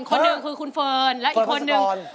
คนหนึ่งคือคุณเฟิร์นและอีกคนนึง